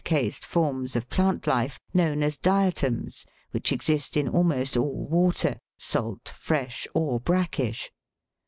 flint cased forms of plant life known as diatoms, which exist in almost all water salt, fresh, or brackish (Fig.